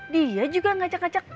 dia juga ngacak ngacak